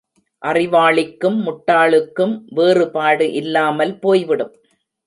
அறிவாளிக்கும் முட்டாளுக்கும் வேறுபாடு இல்லாமல் போய்விடும்.